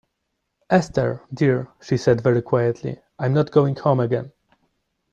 "Esther, dear," she said very quietly, "I am not going home again."